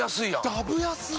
ダブ安っ！